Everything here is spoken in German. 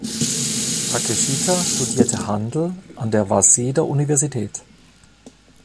Takeshita studierte Handel an der Waseda-Universität.